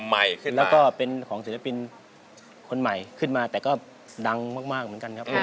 ใหม่ขึ้นแล้วก็เป็นของศิลปินคนใหม่ขึ้นมาแต่ก็ดังมากเหมือนกันครับผม